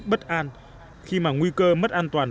bất an khi mà nguy cơ mất an toàn